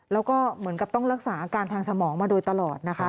แล้วก็เหมือนกับต้องรักษาอาการทางสมองมาโดยตลอดนะคะ